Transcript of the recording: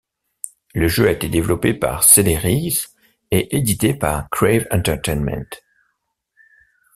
Le jeu a été développé par Celeris et édité par Crave Entertainment.